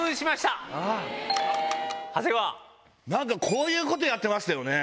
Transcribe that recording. こういうことやってましたよね。